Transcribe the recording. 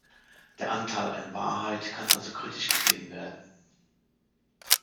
Der Anteil an Wahrheit kann also kritisch gesehen werden.